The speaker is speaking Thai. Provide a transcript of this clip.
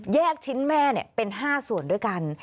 ชิ้นแม่เป็น๕ส่วนด้วยกัน